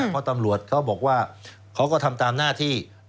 เพราะตำรวจเขาบอกว่าเขาก็ทำตามหน้าที่